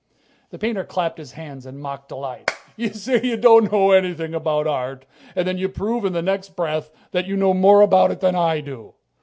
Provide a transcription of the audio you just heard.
The painter clapped his hands in mock delight. "You say you don't know anything about art, and then you prove in the next breath that you know more about it than I do!